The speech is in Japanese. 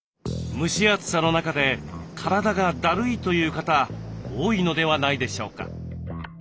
蒸し暑さの中で体がだるいという方多いのではないでしょうか？